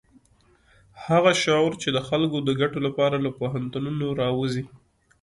هغه شعور چې د خلکو د ګټو لپاره له پوهنتونونو راوزي.